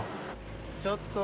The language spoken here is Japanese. ちょっと。